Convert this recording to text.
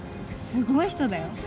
すごい人だよ。